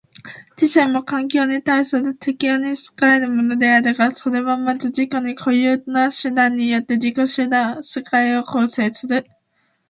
知性も環境に対する適応に仕えるものであるが、それはまず自己に固有な手段によって自己の世界を構成する。